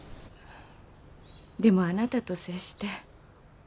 でもあなたと接して。